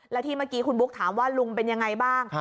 แล้วที่เมื่อกี้คุณบุ๊คถามว่าลุงเป็นยังไงบ้าง